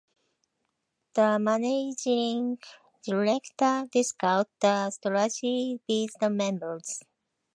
The Managing Director discussed the strategy with the members